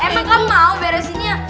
emang kan mau beresinnya